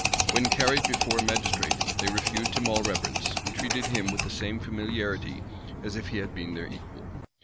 When carried before a magistrate, they refused him all reverence, and treated him with the same familiarity as if he had been their equal.